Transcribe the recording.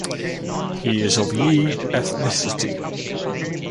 He is of Yi ethnicity.